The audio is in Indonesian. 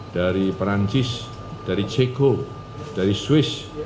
dari perancis dari ceko dari swiss